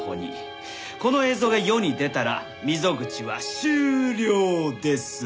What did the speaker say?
この映像が世に出たら溝口は終了！です。